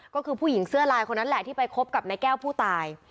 ก็คือผู้หญิงเสื้อลายคนนั้นแหละที่ไปคบกับนายแก้วผู้ตาย